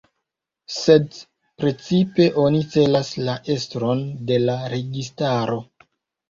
Sed precipe oni celas la estron de la registaro.